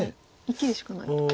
生きるしかないと。